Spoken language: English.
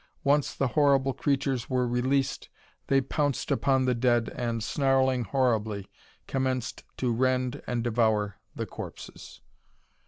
Once the horrible creatures were released, they pounced upon the dead and, snarling horribly, commenced to rend and devour the corpses.